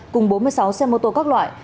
cùng bốn mươi sáu xe mô tô các loại